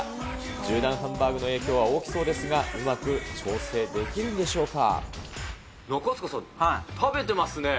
１０段ハンバーグの影響は大きそうですが、うまく調整できるんで中務さん、食べてますね。